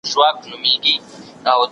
معیاري کاري ساعتونه مشخص سوي وو.